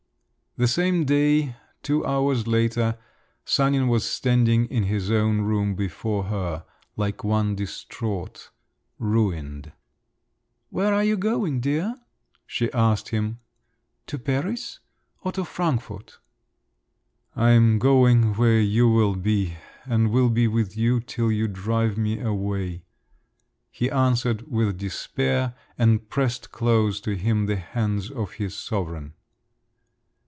The same day, two hours later, Sanin was standing in his own room before her, like one distraught, ruined…. "Where are you going, dear?" she asked him. "To Paris, or to Frankfort?" "I am going where you will be, and will be with you till you drive me away," he answered with despair and pressed close to him the hands of his sovereign.